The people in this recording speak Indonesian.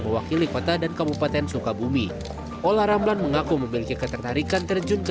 memiliki kiliwata dan kabupaten sungkabumi olah ramlan mengaku memiliki ketertarikan terjun ke